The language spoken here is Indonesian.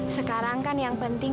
sekarang kan yang penting